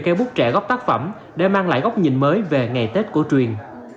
keo bút trẻ gốc tác phẩm để mang lại góc nhìn mới về ngày tết cổ truyền